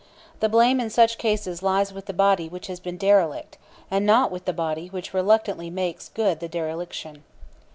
The blame in such cases lies with the body which has been derelict, and not with the body which reluctantly makes good the dereliction.